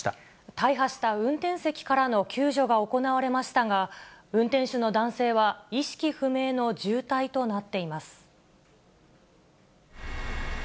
大破した運転席からの救助が行われましたが、運転手の男性は意識不明の重体となっています。